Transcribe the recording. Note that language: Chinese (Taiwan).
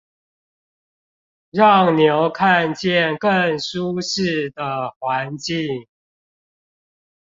讓牛看見更舒適的環境